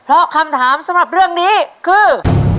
เพราะคำถามสำหรับเรื่องนี้คือ